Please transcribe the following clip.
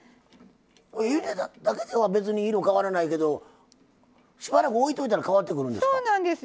ゆでただけでは別に色変わらないけどしばらく置いといたら変わってくるんですか？